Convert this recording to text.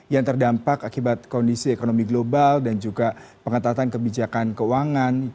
yang terdampak akibat kondisi ekonomi global dan juga pengetatan kebijakan keuangan